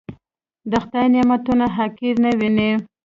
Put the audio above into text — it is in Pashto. د خدای نعمتونه حقير نه وينئ.